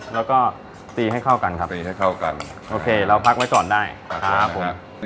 แล้วก็ตีให้เข้ากันครับตีให้เข้ากันโอเคเราพักไว้ก่อนได้นะครับผม